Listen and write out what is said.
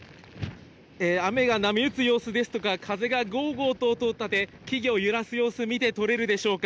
雨が波打つ様子ですとか、風がゴゴと音を立て、木々を揺らす様子が見て取れるでしょうか。